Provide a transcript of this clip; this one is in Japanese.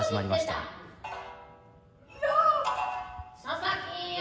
佐々木や。